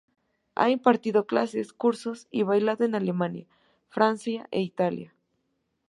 Ha impartido clases, cursos y bailado en Alemania, Francia e Italia.